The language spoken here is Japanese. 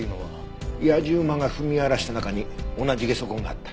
やじ馬が踏み荒らした中に同じゲソ痕があった。